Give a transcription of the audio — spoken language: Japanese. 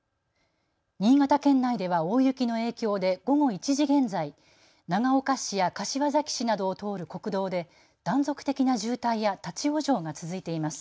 新潟県内では大雪の影響で午後１時現在、長岡市や柏崎市などを通る国道で断続的な渋滞や立往生が続いています。